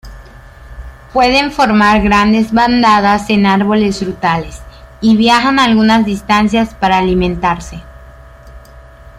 Pueden formar grandes bandadas en árboles frutales, y viajan algunas distancias para alimentarse.